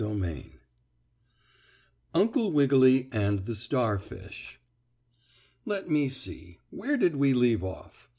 STORY IX UNCLE WIGGILY AND THE STARFISH Let me see, where did we leave off?